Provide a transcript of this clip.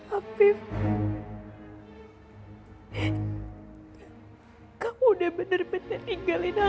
afifnya mana kok handphonenya di tinggal sih